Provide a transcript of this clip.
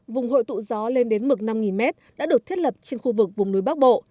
vùng hội tụ gió lên đến mực năm m đã được thiết lập trên khu vực vùng núi bắc bộ